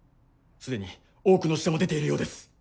・すでに多くの死者も出ているようです